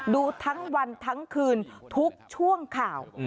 ดูทั้งวันทั้งคืนทุกช่วงข่าว